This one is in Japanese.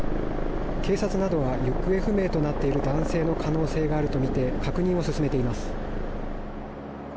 警察などが行方不明となっている男性の可能性があるとみて確認を進めています。